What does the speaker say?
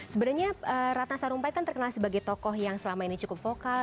sebenarnya ratna sarumpait kan terkenal sebagai tokoh yang selama ini cukup vokal